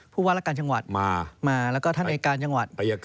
ผู้ว่ารักการจังหวัดมามาแล้วก็ท่านอายการจังหวัด